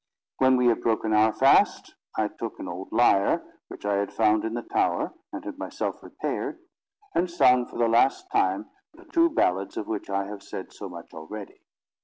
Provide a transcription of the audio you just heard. When we had broken our fast, I took an old lyre, which I had found in the tower and had myself repaired, and sung for the last time the two ballads of which I have said so much already.